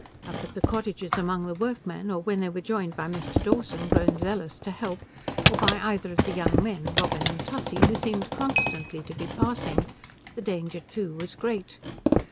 Up at the cottages among the workmen, or when they were joined by Mr. Dawson, grown zealous to help, or by either of the young men Robin and Tussie, who seemed constantly to be passing, the danger too was great.